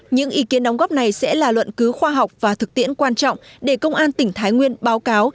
những ý kiến đóng góp này sẽ là luận cứu khoa học và thực tiễn quan trọng để công an tỉnh thái nguyên báo cáo